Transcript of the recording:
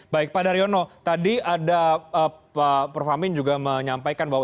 baik pak daryono tadi ada pak prof amin juga menyampaikan bahwa